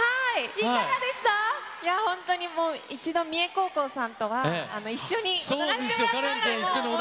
いや本当にもう、一度、三重高校さんとは一緒に踊らせてもらったので。